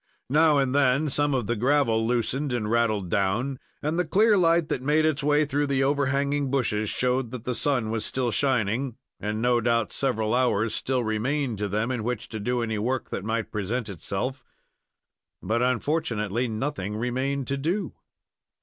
Now and then some of the gravel loosened and rattled down, and the clear light that made its way through the overhanging bushes showed that the sun was still shining, and, no doubt, several hours still remained to them in which to do any work that might present itself. But, unfortunately, nothing remained to do.